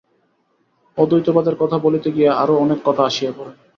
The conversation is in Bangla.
অদ্বৈতবাদের কথা বলিতে গিয়া আরও অনেক কথা আসিয়া পড়ে।